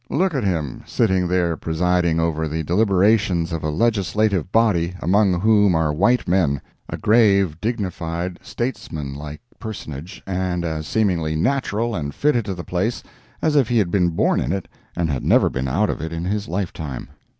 Look at him, sitting there presiding over the deliberations of a legislative body, among whom are white men—a grave, dignified, statesmanlike personage, and as seemingly natural and fitted to the place as if he had been born in it and had never been out of it in his lifetime.